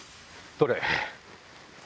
どれ？